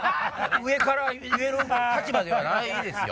上から言える立場ではないですよ。